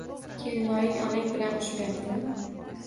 Kelinoying onang bilan urishmayaptimi